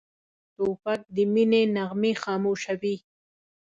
توپک د مینې نغمې خاموشوي.